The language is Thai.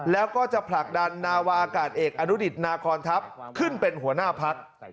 แล้วก็จะผลักดันนาวาอากาศเอกอนุดิตนาคอนทัพขึ้นเป็นหัวหน้าพัก